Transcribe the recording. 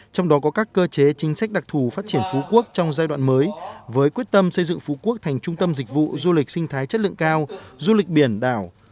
trong đó có các cơ chế chính sách đặc thù phát triển phú quốc trong giai đoạn mới với quyết tâm xây dựng phú quốc thành trung tâm dịch vụ du lịch sinh thái chất lượng cao du lịch biển đảo